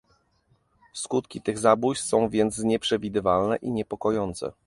Skutki tych zabójstw są więc nieprzewidywalne i niepokojące